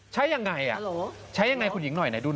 ใช้อย่างไรใช้อย่างไรคุณหญิงหน่อยดูหน่อย